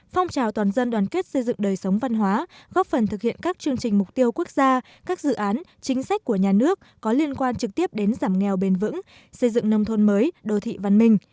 phong trào toàn dân đoàn kết xây dựng đời sống văn hóa góp phần thực hiện các chương trình mục tiêu quốc gia các dự án chính sách của nhà nước có liên quan trực tiếp đến giảm nghèo bền vững xây dựng nông thôn mới đô thị văn minh